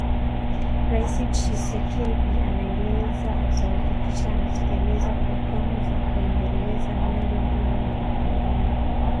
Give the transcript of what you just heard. Rais Tshisekedi anaeleza atahakikisha anatekeleza programu za kuendeleza miundo mbinu na huduma